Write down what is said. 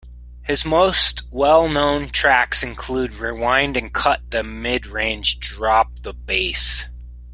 His most well-known tracks include "Rewind" and "Cut The Midrange, Drop The Bass".